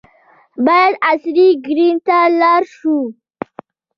باید عصري کرنې ته لاړ شو.